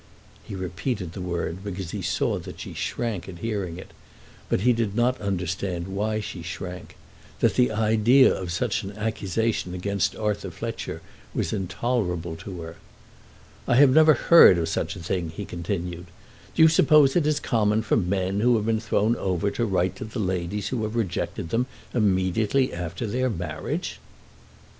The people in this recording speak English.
He repeated the word because he saw that she shrank at hearing it; but he did not understand why she shrank, that the idea of such an accusation against Arthur Fletcher was intolerable to her. "I have never heard of such a thing," he continued. "Do you suppose it is common for men who have been thrown over to write to the ladies who have rejected them immediately after their marriage?"